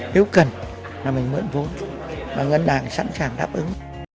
nếu cần là mình mượn vốn và ngân hàng sẵn sàng đáp ứng